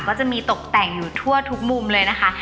ก็จะมีตกแต่งอยู่ทั่วทุกมุมเลยนะคะ